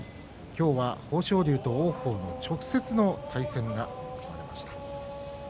今日は豊昇龍と王鵬の直接の対戦が組まれました。